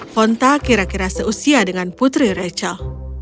fonta kira kira seusia dengan putri rachel